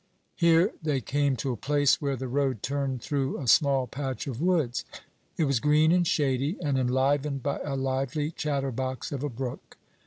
Here they came to a place where the road turned through a small patch of woods. It was green and shady, and enlivened by a lively chatterbox of a brook.